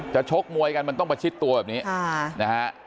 ชกมวยกันมันต้องประชิดตัวแบบนี้นะฮะ